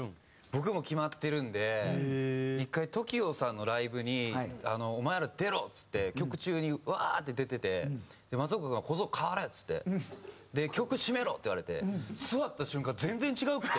僕も決まってるんで１回ＴＯＫＩＯさんのライブに「お前ら出ろ！」っつって曲中にウワーって出ていって松岡君が「小僧変われ！！」っつって「曲締めろ！」って言われて座った瞬間全然違くて。